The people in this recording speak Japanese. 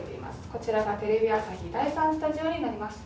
こちらがテレビ朝日第３スタジオになります。